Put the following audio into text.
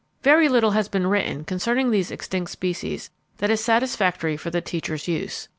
Very little has been written concerning these extinct species that is satisfactory for the teacher's use.